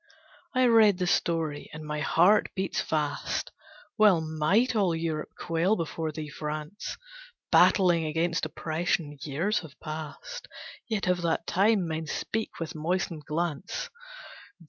I read the story and my heart beats fast! Well might all Europe quail before thee, France, Battling against oppression! Years have past, Yet of that time men speak with moistened glance.